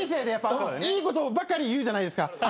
いいことばかり言うじゃないですか。